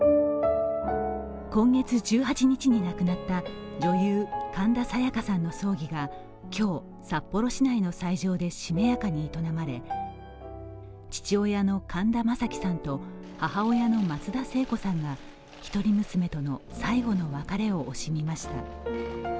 今月１８日に亡くなった女優・神田沙也加さんの葬儀が今日、札幌市内の斎場でしめやかに営まれ、父親の神田正輝さんと母親の松田聖子さんが一人娘との最後の別れを惜しみました。